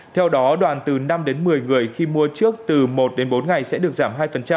theo đó đoàn từ năm đến một mươi người khi mua trước từ một đến bốn ngày sẽ được giảm hai